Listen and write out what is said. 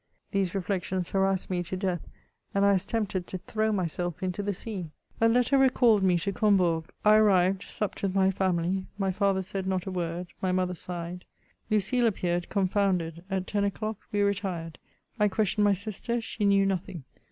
These reflections harassed me to death, and I was tempted to throw myself into the sea. A letter recalled me to Combourg ; I arrived — supped with my family ; my father said not a word, my mother sighed, Lucile appeared confounded ; at ten o'clock, we retired. I questioned my sister ; she knew nothing.